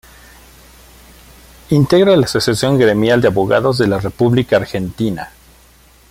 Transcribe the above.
Integra la Asociación Gremial de Abogados de la República Argentina.